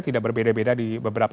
tidak berbeda beda di beberapa